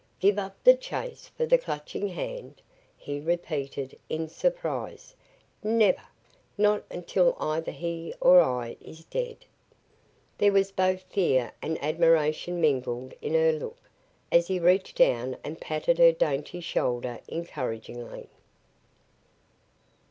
"Give up the chase for the Clutching Hand?" he repeated in surprise. "Never! Not until either he or I is dead!" There was both fear and admiration mingled in her look, as he reached down and patted her dainty shoulder encouragingly.